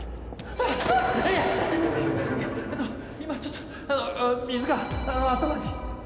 あの今ちょっと水が頭に。